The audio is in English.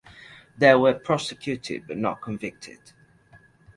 They were prosecuted but not convicted.